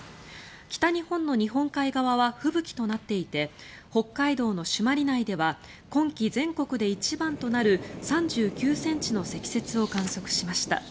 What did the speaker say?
北日本の日本海側は吹雪となっていて北海道の朱鞠内では今季全国で一番となる３９ｃｍの積雪を観測しました。